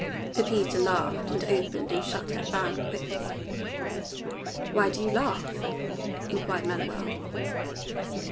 Pepita laughed, and opened and shut her fan quickly. "Why do you laugh?" inquired Manuel.